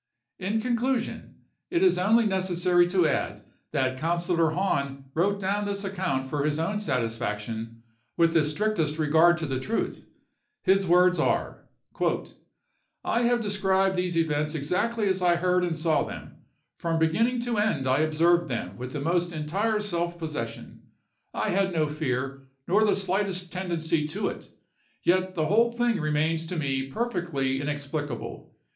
"In conclusion, it is only necessary to add that Councillor Hahn wrote down this account for his own satisfaction, with the strictest regard to truth. His words are:— "'I have described these events exactly as I heard and saw them: from beginning to end I observed them with the most entire self possession. I had no fear, nor the slightest tendency to it; yet the whole thing remains to me perfectly inexplicable.